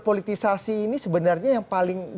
politisasi ini sebenarnya yang paling